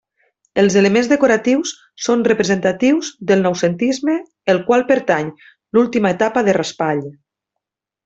Els elements decoratius són representatius del noucentisme el qual pertany l'última etapa de Raspall.